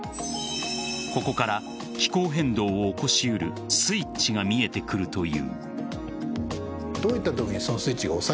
ここから気候変動を起こし得るスイッチが見えてくるという。